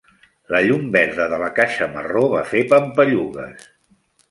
La llum verda de la caixa marró va fer pampallugues.